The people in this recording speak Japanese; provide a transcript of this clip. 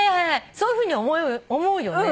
そういうふうに思うよね？